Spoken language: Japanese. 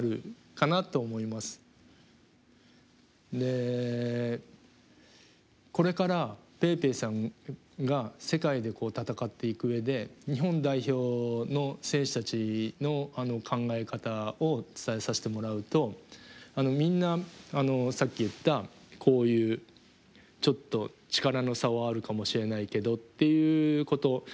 でこれからぺいぺいさんが世界で戦っていく上で日本代表の選手たちの考え方を伝えさせてもらうとみんなさっき言ったこういうちょっと力の差はあるかもしれないけどっていうこと。